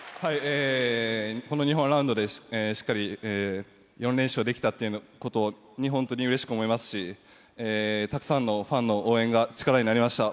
この日本ラウンドでしっかり４連勝できたということ、本当にうれしく思いますしたくさんのファンの応援が力になりました。